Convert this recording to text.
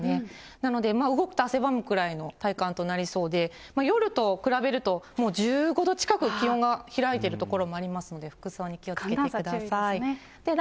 なので、動くと汗ばむくらいの体感となりそうで、夜と比べると、もう１５度近く気温が開いてる所がありますので、服装に気をつけ寒暖差注意ですね。